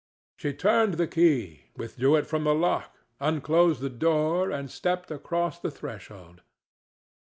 She turned the key, withdrew it from the lock, unclosed the door and stepped across the threshold.